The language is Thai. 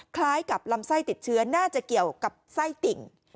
คล้ายกับลำไส้ติดเชื้อน่าจะเกี่ยวกับไส้ติ่ง